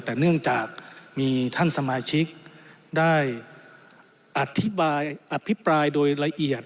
แต่เนื่องจากมีท่านสมาชิกได้อธิบายอภิปรายโดยละเอียด